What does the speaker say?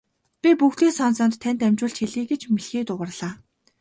Би бүгдийг сонсоод танд дамжуулж хэлье гэж мэлхий дуугарлаа.